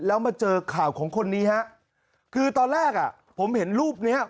แล้วมาเจอข่าวของคนนี้ฮะคือตอนแรกอ่ะผมเห็นรูปเนี้ย